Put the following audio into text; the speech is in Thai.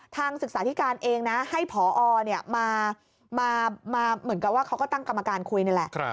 ทางศึกษาธิการเองนะให้พอมาเหมือนกับว่าเขาก็ตั้งกรรมการคุยนี่แหละ